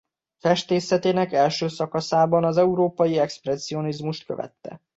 Festészetének első szakaszában az európai expresszionizmust követte.